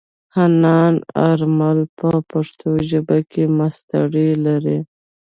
حنان آرمل په پښتو ژبه کې ماسټري لري.